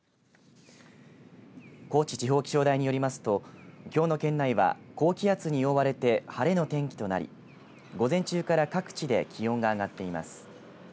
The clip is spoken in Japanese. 高知地方気象台によりますときょうの県内は高気圧に覆われて晴れの天気となり午前中から各地で気温が上がっています。